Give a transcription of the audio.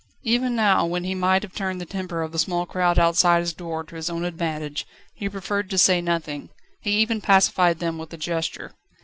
Even now, when he might have turned the temper of the small crowd outside his door to his own advantage, he preferred to say nothing; he even pacified them with a gesture.